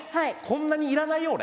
こんなにいらないよ俺。